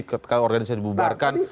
ketika organisasi dibubarkan